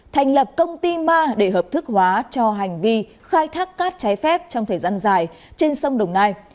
thành lập công ty ma để hợp thức hóa cho hành vi khai thác cát trái phép trong thời gian dài trên sông đồng nai